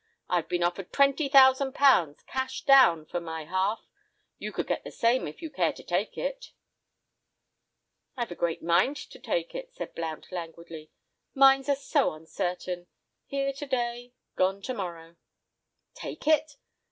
I've been offered twenty thousand pounds, cash down, for my half; you could get the same if you care to take it." "I've a great mind to take it," said Blount languidly "—mines are so uncertain. Here to day, gone to morrow." "Take it?"